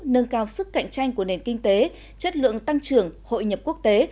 nâng cao sức cạnh tranh của nền kinh tế chất lượng tăng trưởng hội nhập quốc tế